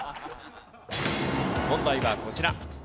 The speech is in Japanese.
問題はこちら。